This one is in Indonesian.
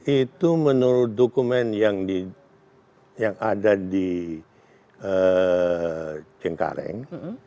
itu menurut dokumen yang ada di cengkareng